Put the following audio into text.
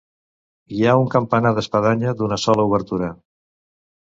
Hi ha un campanar d'espadanya d'una sola obertura.